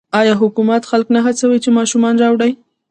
آیا حکومت خلک نه هڅوي چې ماشومان راوړي؟